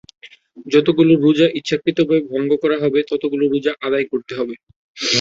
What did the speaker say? যতগুলো রোজা ইচ্ছাকৃতভাবে ভঙ্গ করা হবে, ততগুলো রোজা আদায় করতে হবে।